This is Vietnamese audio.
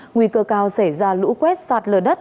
nguy cơ cao xảy ra lũ quét sạt lở đất